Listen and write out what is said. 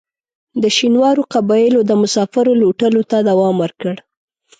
د شینوارو قبایلو د مسافرو لوټلو ته دوام ورکړ.